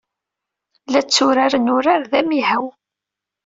La tturaren urar d amihaw.